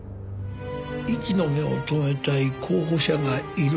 息の根を止めたい候補者がいるんでね。